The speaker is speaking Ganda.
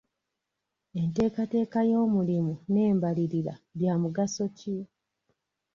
Enteekateeka y'omulimu n'embalirira bya mugaso ki?